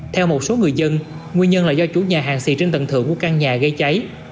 theo một số người dân nguyên nhân là do chủ nhà hàng xì trên tầng thượng của căn nhà gây cháy